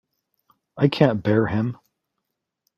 I can't bear him.